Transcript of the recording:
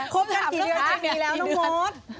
ควบหลังกี่เดือนนี้แล้วน้องมด